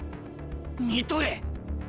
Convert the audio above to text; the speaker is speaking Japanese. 見とれ。